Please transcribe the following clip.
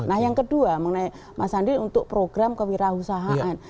nah yang kedua mengenai mas andi untuk program kewirausahaan